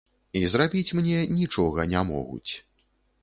І зрабіць мне нічога не могуць.